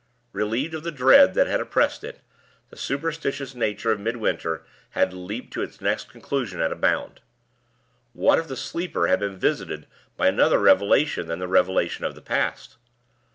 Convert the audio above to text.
Relieved of the dread that had oppressed it, the superstitious nature of Midwinter had leaped to its next conclusion at a bound. What if the sleeper had been visited by another revelation than the revelation of the Past?